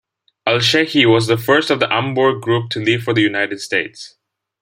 Al-Shehhi was the first of the Hamburg group to leave for the United States.